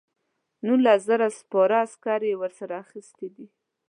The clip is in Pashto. نولس زره سپاره عسکر یې ورسره اخیستي دي.